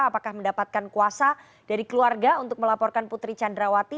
apakah mendapatkan kuasa dari keluarga untuk melaporkan putri candrawati